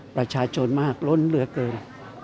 ประชาชนมากล้นเหลือเกิน